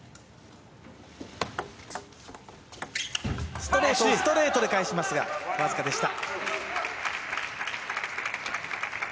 ストレートをストレートで返しますがわずかでした。